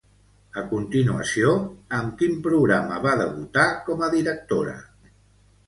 A continuació, amb quin programa va debutar com a directora?